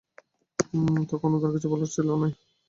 এখন আর তাঁর কিছু বলার নেই।